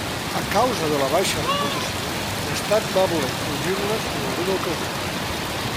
A causa de la baixa reputació, l'estat va voler prohibir-les en alguna ocasió.